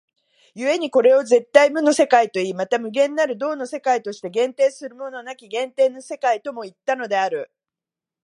故にこれを絶対無の世界といい、また無限なる動の世界として限定するものなき限定の世界ともいったのである。